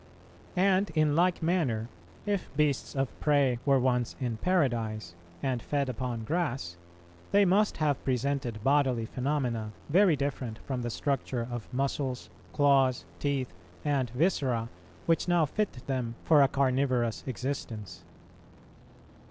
And, in like manner, if beasts of prey were once in paradise, and fed upon grass, they must have presented bodily phenomena very different from the structure of muscles, claws, teeth, and viscera which now fit them for a carnivorous existence.